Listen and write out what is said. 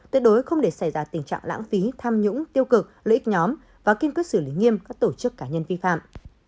tuyệt đối không để xảy ra tình trạng lãng phí tham nhũng tiêu cực lợi ích nhóm và kiên quyết xử lý nghiêm các tổ chức cá nhân vi phạm